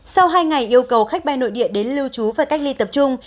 sau hai ngày yêu cầu khách bay nội địa đến lưu trú và cách ly tập trung